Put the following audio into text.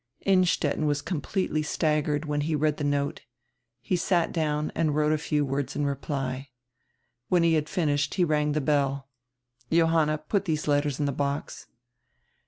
Innstetten was completely staggered when he read the note. He sat down and wrote a few words in reply. When he had finished he rang the bell. "Johanna, put these letters in die box."